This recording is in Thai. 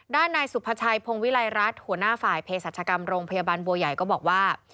นายสุภาชัยพงวิลัยรัฐหัวหน้าฝ่ายเพศรัชกรรมโรงพยาบาลบัวใหญ่ก็บอกว่า